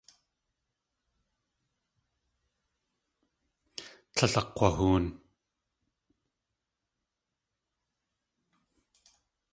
Tlél akg̲wahoon.